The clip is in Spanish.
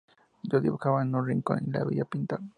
Yo dibujaba en un rincón y lo veía pintar.